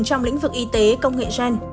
trong lĩnh vực y tế công nghệ gen